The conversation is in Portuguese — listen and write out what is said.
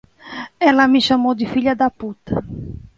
Ela me chamou de filha da puta.